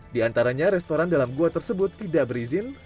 di antaranya restoran dalam gua tersebut tidak berizin